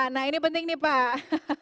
nah ini penting nih pak